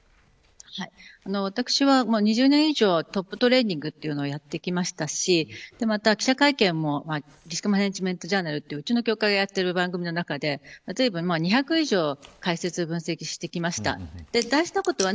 私は２０年以上トップトレーニングというのをやってきましたしまた記者会見もリスクマネジメントジャーナルといううちの協会でやっている番組の中で例えば２００以上解説を分析してきました。